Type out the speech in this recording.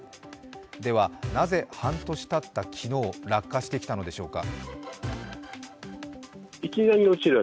では、なぜ半年たった昨日、落下してきたのでしょうか。